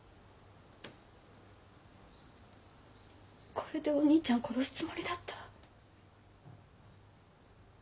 これでお兄ちゃん殺すつもりだった？